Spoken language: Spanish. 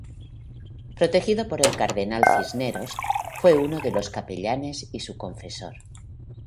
Protegido por el Cardenal Cisneros, fue uno de sus capellanes y su confesor.